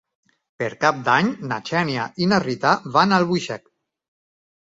Per Cap d'Any na Xènia i na Rita van a Albuixec.